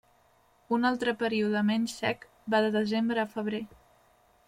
Un altre període menys sec va de desembre a febrer.